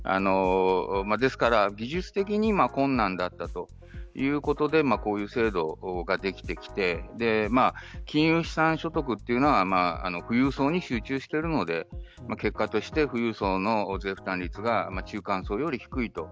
ですから、技術的に困難だったということでこういう制度ができてきて金融資産所得は富裕層に集中しているので結果として、富裕層の税負担率が中間層より低いと。